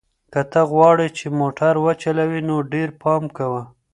که ته غواړې چې موټر وچلوې نو ډېر پام کوه.